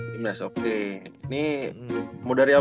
timnas oke ini mau dari apa ya